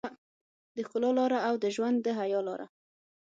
د ښکلا لاره او د ژوند د حيا لاره.